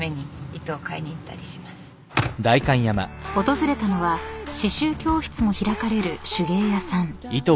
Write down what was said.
［訪れたのは刺しゅう教室も開かれる手芸屋さん］